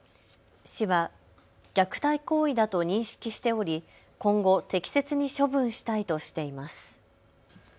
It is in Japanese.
市は虐待行為だと認識しており今後、適切に処分したいとしています。